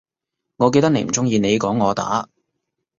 我記得你唔鍾意你講我打